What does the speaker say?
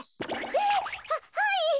えっははい！